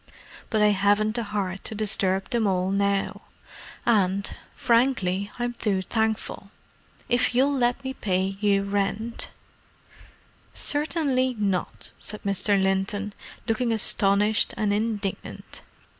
"But I haven't the heart to disturb them all now—and, frankly, I'm too thankful. If you'll let me pay you rent——" "Certainly not!" said Mr. Linton, looking astonished and indignant.